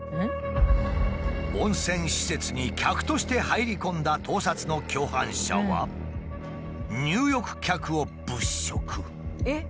温泉施設に客として入り込んだ盗撮の共犯者は入浴客を物色。